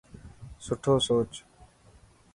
سٺو سوچ.